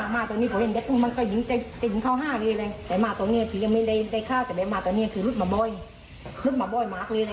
แต่มาตรงนี้คือหลุดมาบ่อยหลุดมาบ่อยมากเลยเลย